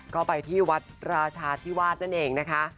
ก็ไปที่วัดราชาธิวาสนั่นเองนะคะ